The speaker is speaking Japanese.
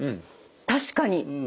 確かに。